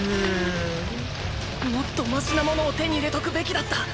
心の声もっとマシなものを手に入れとくべきだった！